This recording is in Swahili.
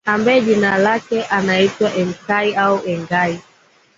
Ambaye jina lake anaitwa Enkai au Engai